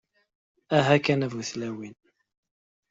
Aha kan a bu-tlawin!